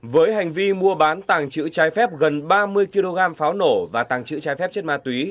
với hành vi mua bán tàng trữ trái phép gần ba mươi kg pháo nổ và tàng trữ trái phép chất ma túy